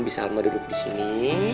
bisa alma duduk disini